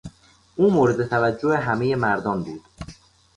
او مورد توجه همهی مردان بود.